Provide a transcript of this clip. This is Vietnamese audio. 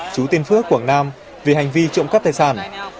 chú tiên phước quảng nam vì hành vi trộm cắp tài sản